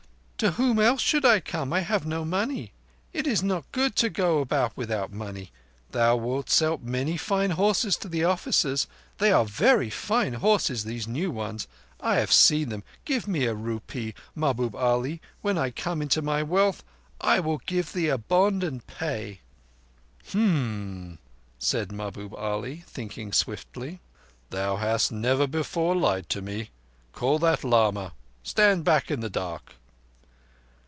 "To whom else should I come? I have no money. It is not good to go about without money. Thou wilt sell many horses to the officers. They are very fine horses, these new ones: I have seen them. Give me a rupee, Mahbub Ali, and when I come to my wealth I will give thee a bond and pay." "Um!" said Mahbub Ali, thinking swiftly. "Thou hast never before lied to me. Call that lama—stand back in the dark."